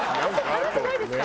話してないですか？